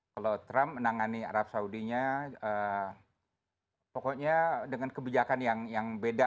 kalau trump menangani arab saudinya pokoknya dengan kebijakan yang beda